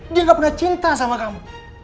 dia gak pernah cinta sama kamu